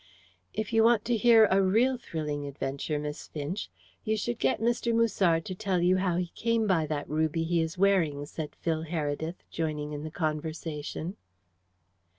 "If you want to hear a real thrilling adventure, Miss Finch, you should get Mr. Musard to tell you how he came by that ruby he is wearing," said Phil Heredith, joining in the conversation.